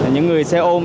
những người xe ôm